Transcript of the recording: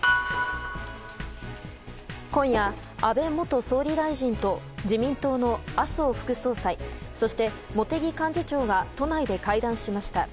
今夜、安倍元総理大臣と自民党の麻生副総裁そして、茂木幹事長が都内で会談しました。